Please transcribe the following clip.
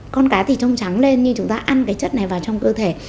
con cá thì trông trắng lên nhưng chúng ta ăn chất này vào trong cơ thể